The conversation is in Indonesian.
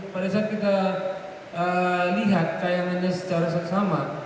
pada saat kita lihat tayangannya secara seksama